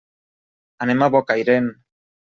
Anem a Bocairent.